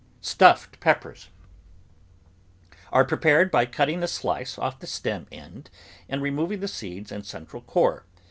STUFFED PEPPERS Are prepared by cutting a slice off the stem end and removing the seeds and central core.